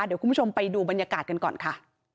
เดี๋ยวคุณผู้ชมไปดูบรรยากาศกันก่อนค่ะ